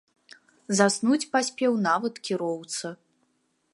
Заснуць паспеў нават кіроўца.